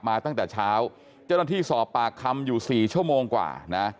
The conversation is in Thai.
มาตั้งแต่เช้าเจ้าหน้าที่สอบปากคำอยู่สี่ชั่วโมงกว่านะ